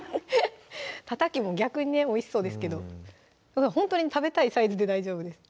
たたきも逆にねおいしそうですけどほんとに食べたいサイズで大丈夫です